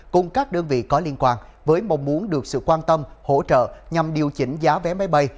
cùng các đơn vị có liên quan với mong muốn được sự quan tâm hỗ trợ nhằm điều chỉnh giá vé máy bay